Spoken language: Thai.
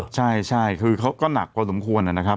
ใช่ใช่คือเขาก็หนักกว่าสมควรนะครับ